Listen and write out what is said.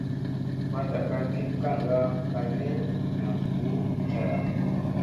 Fatta kal ki kaŋga kal ni, nam buu ucara.